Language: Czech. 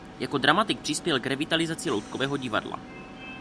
Jako dramatik přispěl k revitalizaci loutkového divadla.